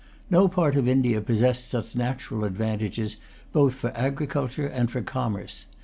No part of India possessed such natural advantages both for agriculture and for commerce.